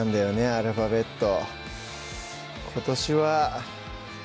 アルファベット